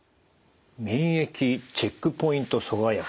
免疫チェックポイント阻害薬